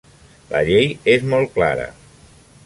La llei és molt clara.